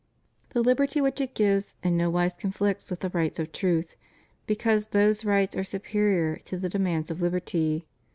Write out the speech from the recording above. The liberty which it gives in no wise conflicts with the rights of truth, because those rights are superior to the demands of liberty.